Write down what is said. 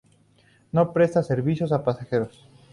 No presta servicios de pasajeros.